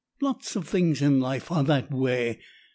Lots of things in life are that way.